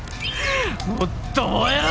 もっと燃えろ！